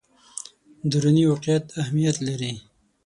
دروني واقعیت اهمیت لري.